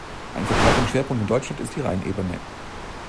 Ein Verbreitungsschwerpunkt in Deutschland ist die Rheinebene.